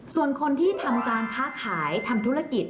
ส่วนคนที่ทำการค้าขายทำธุรกิจ